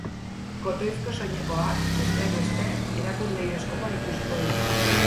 Kotoizko soinekoak, besteak beste, erakuslehio askotan ikusiko dira.